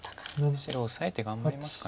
白オサえて頑張りますか。